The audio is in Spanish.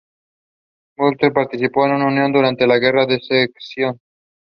Butler participó con la Unión durante la Guerra de Secesión.